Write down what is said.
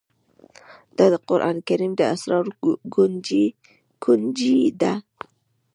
دا د قرآن کريم د اسرارو كونجي ده